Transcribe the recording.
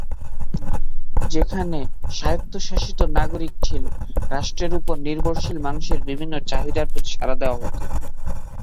যেখানে স্বায়ত্তশাসিত নাগরিক ছিল, রাষ্ট্রের উপর নির্ভরশীল মানুষের বিভিন্ন চাহিদার প্রতি সাড়া দেওয়া হত।